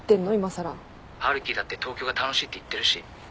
春樹だって東京が楽しいって言ってるし。